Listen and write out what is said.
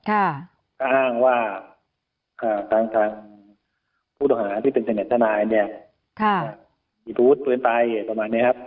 อ้างว่าทางผู้ต่อหาที่เป็นเสน่ห์ธนายนเนี่ยหรือพูดปืนไปประมาณนี้ครับ